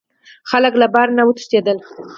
خلک له بار نه وتښتیدل.